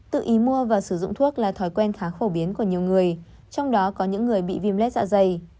tự ý mua và sử dụng thuốc là thói quen khá phổ biến của nhiều người trong đó có những người bị viêm lết dạ dày